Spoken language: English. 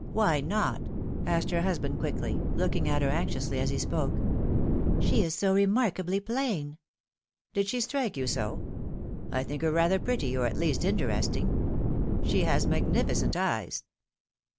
"Why not?" asked her husband quickly, looking at her anxiously as he spoke. " She is so remarkably plain." " Did she strike you so ? I think her rather pretty, or at least interesting. She has magnificent eyes."